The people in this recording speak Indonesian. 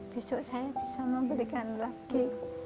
besok saya bisa memberikan lagi